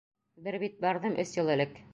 Бер бит барҙым өс йыл элек.